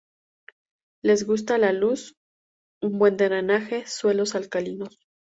Les gusta la luz, un buen drenaje, suelos alcalinos.